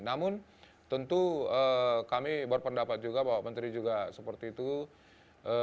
namun tentu kami berpendapat juga bapak menteri juga seperti itu kalau di masa pandemi seperti ini